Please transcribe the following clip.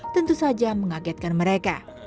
tentu saja mengagetkan mereka